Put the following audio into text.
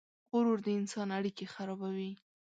غرور د انسان اړیکې خرابوي.